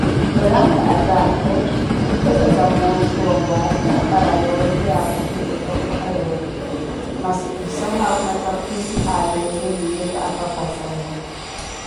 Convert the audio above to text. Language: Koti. Olankha attaapho khukhozaza moottho wawaatta para yoori yaakuve ottokottha yooca, masi khusahawu mattakhuzi aleezeliye apapazaya.